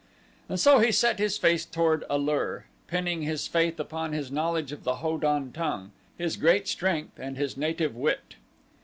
And so he set his face toward A lur, pinning his faith upon his knowledge of the Ho don tongue, his great strength and his native wit.